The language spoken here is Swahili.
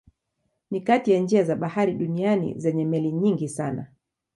Ni kati ya njia za bahari duniani zenye meli nyingi sana.